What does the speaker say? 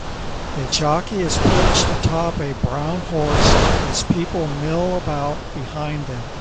A jockey is perched atop a brown horse as people mill about behind them